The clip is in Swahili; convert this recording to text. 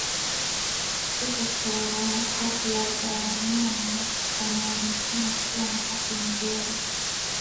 kifo cha ghafla cha wanyama wanaoonekana kuwa na afya nzuri